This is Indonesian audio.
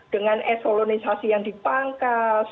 dengan ekstronisasi yang dipangkas